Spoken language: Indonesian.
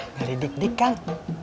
gari dik dik kang